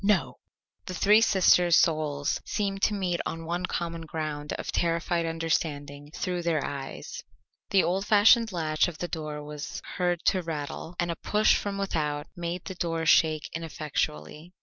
"No." The three sisters' souls seemed to meet on one common ground of terrified understanding through their eyes. The old fashioned latch of the door was heard to rattle, and a push from without made the door shake ineffectually.